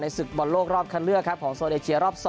ในศึกบรรโลกรอบคันเลือกของโซเดชียรอบ๒